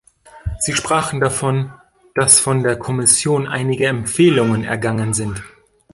Sie sprachen davon, dass von der Kommission einige Empfehlungen ergangen sind.